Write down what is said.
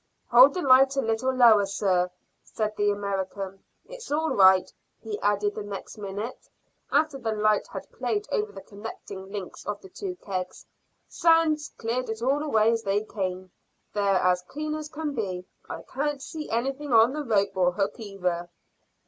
"Hold the light a little lower, sir," said the American. "It's all right," he added the next minute, after the light had played over the connecting links of the two kegs. "Sand's cleared it all away as they came. They're as clean as can be. I can't see anything on the rope or hook either."